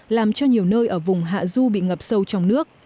làm cho nhiều nơi ở vùng hạ du bị ngập sâu trong nước